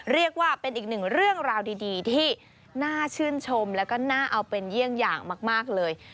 เรียกว่าเป็นอีกหนึ่งเรื่องราวดีที่น่าชื่นชมแล้วก็น่าเอาเป็นเยี่ยงอย่างมากเลย